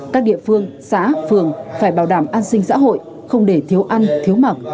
các địa phương xã phường phải bảo đảm an sinh xã hội không để thiếu ăn thiếu mặc